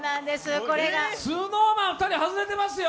ＳｎｏｗＭａｎ、２人外れてますよ！